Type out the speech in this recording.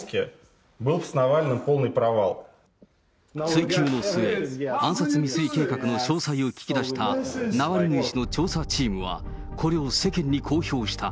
追及の末、暗殺未遂計画の詳細を聞き出したナワリヌイ氏の調査チームは、これを世間に公表した。